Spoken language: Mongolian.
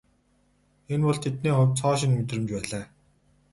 Энэ бол тэдний хувьд цоо шинэ мэдрэмж байлаа.